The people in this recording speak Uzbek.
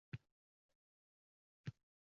— Meni, barhayotsan